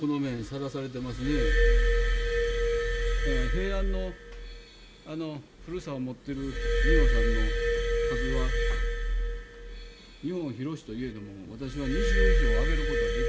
平安の古さを持ってる仁王さんの数は日本広しといえども私は２０以上挙げることはできないです。